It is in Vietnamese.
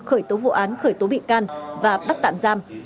khởi tố vụ án khởi tố bị can và bắt tạm giam